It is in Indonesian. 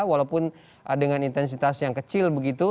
walaupun dengan intensitas yang kecil begitu